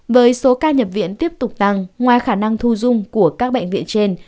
với số ca nhập viện tiếp tục tăng ngoài khả năng thu dung của các bệnh viện trên